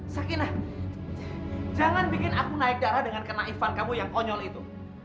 sakinah jangan bikin aku naik darah dengan kenaifan kamu yang konyol itu